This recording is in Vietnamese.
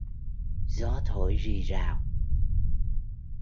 Gió thổi rì rào